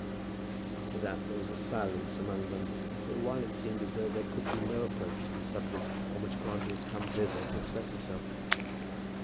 After that there was silence among them, and for a while it seemed as though there could be no approach to the subject on which Grantly had come thither to express himself.